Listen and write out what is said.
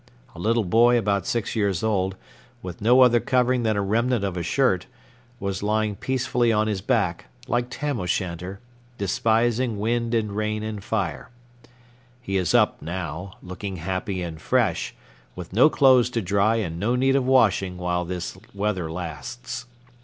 A little boy about six years old, with no other covering than a remnant of a shirt, was lying peacefully on his back, like Tam o' Shanter, despising wind and rain and fire. He is up now, looking happy and fresh, with no clothes to dry and no need of washing while this weather lasts.